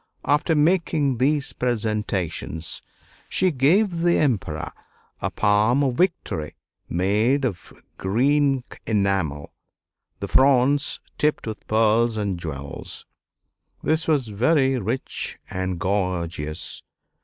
After making these presentations, she gave the Emperor a Palm of Victory, made of green enamel, the fronds tipped with pearls and jewels. This was very rich and gorgeous.